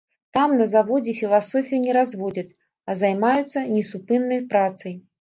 Там, на заводзе, філасофіі не разводзяць, а займаюцца несупыннай працай.